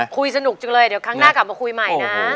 คุยสนุกจังเลยเดี๋ยวครั้งหน้ากลับมาคุยใหม่นะ